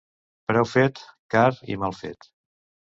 Preu fet, car i mal fet.